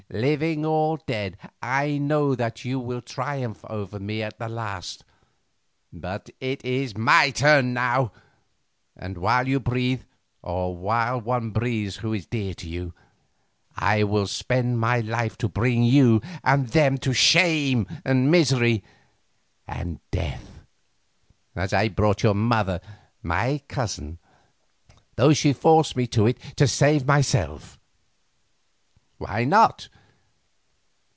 Living or dead, I know that you will triumph over me at the last, but it is my turn now, and while you breathe, or while one breathes who is dear to you, I will spend my life to bring you and them to shame and misery and death, as I brought your mother, my cousin, though she forced me to it to save myself. Why not?